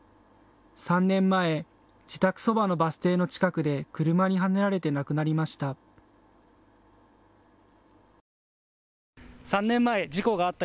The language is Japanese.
３年前、自宅そばのバス停の近くで車にはねられて亡くなりました。